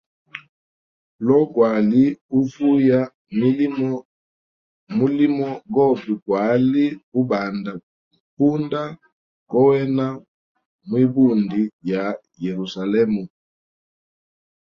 Lo gwali uvuya mulimo gobe gwali ubanda punda gowena mwibundi ya Yerusalema.